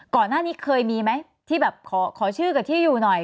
ก่อนหน้านี้เคยมีไหมที่แบบขอชื่อกับที่อยู่หน่อย